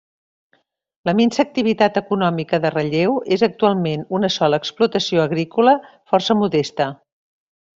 La minsa activitat econòmica de Ralleu és actualment una sola explotació agrícola, força modesta.